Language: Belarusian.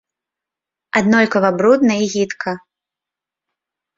Аднолькава брудна і гідка.